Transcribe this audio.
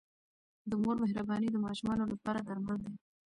د مور مهرباني د ماشومانو لپاره درمل دی.